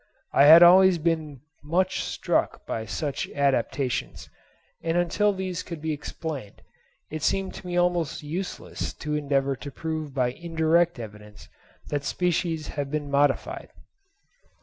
I had always been much struck by such adaptations, and until these could be explained it seemed to me almost useless to endeavour to prove by indirect evidence that species have been modified.